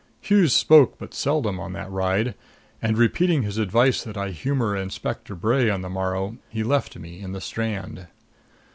Hughes spoke but seldom on that ride; and, repeating his advice that I humor Inspector Bray on the morrow, he left me in the Strand.